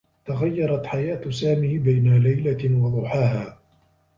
تغيّرت حياة سامي بين ليلة و ضحاها.